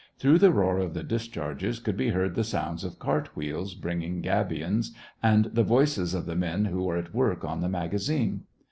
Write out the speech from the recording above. Through the roar of the discharges could be heard the sounds of cart wheels, bringing gabions, and the voices of the men who were at work on the magazine.